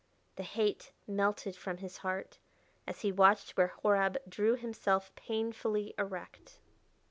The hate melted from his heart as he watched where Horab drew himself painfully erect.